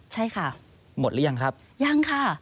ใช่ค่ะหมดหรือยังครับยังค่ะ